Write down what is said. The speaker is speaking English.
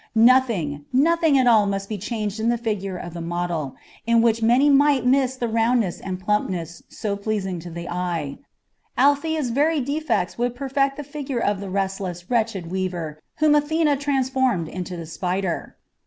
Nothing, nothing at all must be changed in the figure of the model, in which many might miss the roundness and plumpness so pleasing to the eye. Althea's very defects would perfect the figure of the restless, wretched weaver whom Athene transformed into the spider.